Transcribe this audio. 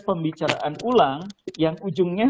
pembicaraan ulang yang ujungnya